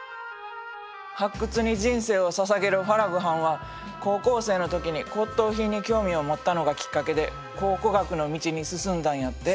発掘に人生をささげるファラグはんは高校生の時に骨董品に興味を持ったのがきっかけで考古学の道に進んだんやって。